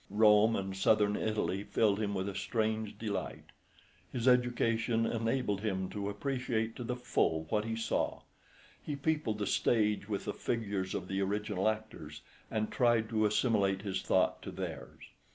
Rome and Southern Italy filled him with a strange delight. His education enabled him to appreciate to the full what he saw; he peopled the stage with the figures of the original actors, and tried to assimilate his thought to theirs.